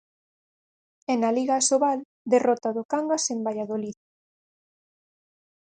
E na Liga Asobal, derrota do Cangas en Valladolid.